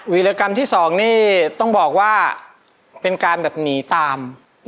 รกรรมที่๒นี่ต้องบอกว่าเป็นการแบบหนีตาม